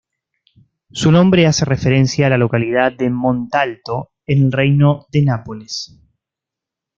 Su nombre hace referencia a la localidad de Montalto, en el reino de Nápoles.